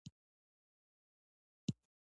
په افغانستان کې د پابندی غرونه منابع شته.